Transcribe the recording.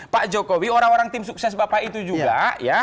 pak jokowi orang orang tim sukses bapak itu juga ya